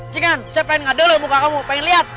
jangan saya pengen ngadu dulu muka kamu pengen lihat